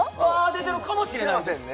出てるかもしれないあら？